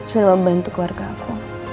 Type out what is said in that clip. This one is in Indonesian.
selama membantu keluarga aku